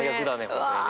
本当にね。